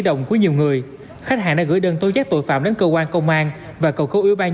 đồng của nhiều người khách hàng đã gửi đơn tối giác tội phạm đến cơ quan công an và cầu cố ủy ban